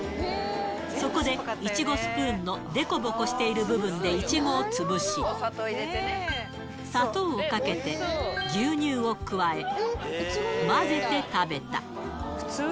そこで、イチゴスプーンの凸凹している部分でいちごを潰し、砂糖をかけて、牛乳を加え、混ぜて食べた。